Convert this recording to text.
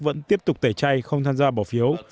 vẫn tiếp tục tẩy chay không tham gia bỏ phiếu